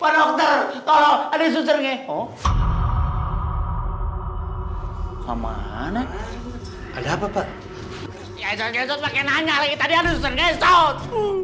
ngesot ngesot pake nanya lagi tadi ada suster ngesot